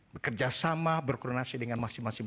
bekerjasama berkoordinasi dengan masing masing